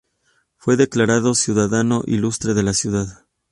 Fue declarado "Ciudadano Ilustre" de la ciudad.